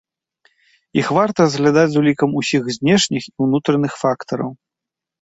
Іх варта разглядаць з улікам усіх знешніх і ўнутраных фактараў.